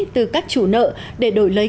từ các chủ nợ để đổi lấy